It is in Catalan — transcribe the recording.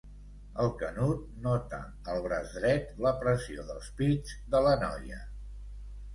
El Canut nota al braç dret la pressió dels pits de la noia.